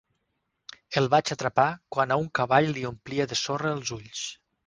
El vaig atrapar quan a un cavall li omplia de sorra els ulls.